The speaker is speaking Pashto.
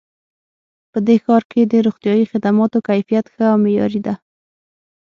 په دې ښار کې د روغتیایي خدماتو کیفیت ښه او معیاري ده